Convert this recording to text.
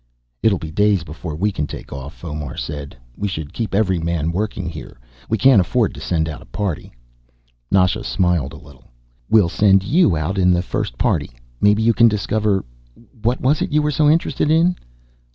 "It'll be days before we can take off," Fomar said. "We should keep every man working here. We can't afford to send out a party." Nasha smiled a little. "We'll send you in the first party. Maybe you can discover what was it you were so interested in?"